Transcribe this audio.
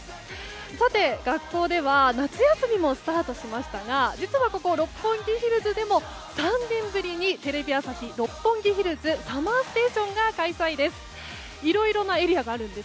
さて、学校では夏休みもスタートしましたが実はここ六本木ヒルズでも３年ぶりに「テレビ朝日・六本木ヒルズＳＵＭＭＥＲＳＴＡＴＩＯＮ」が開催です。